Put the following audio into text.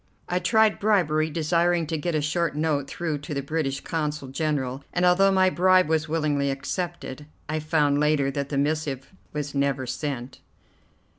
I tried bribery, desiring to get a short note through to the British Consul General, and, although my bribe was willingly accepted, I found later that the missive was never sent.